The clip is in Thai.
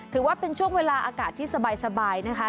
ถือว่าเป็นช่วงเวลาอากาศที่สบายนะคะ